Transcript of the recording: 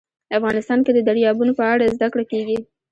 افغانستان کې د دریابونه په اړه زده کړه کېږي.